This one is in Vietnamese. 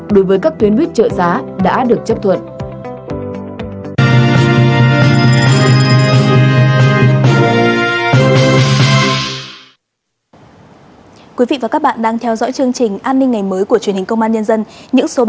đối với các tuyến buýt trợ giá đã được chấp thuận